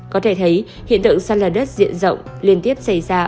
có thể thấy hiện tượng săn lở đất diện rộng liên tiếp xảy ra